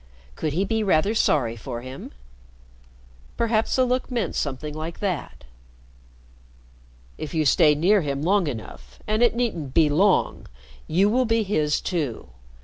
Could he be rather sorry for him? Perhaps the look meant something like that. "If you stay near him long enough and it needn't be long you will be his too.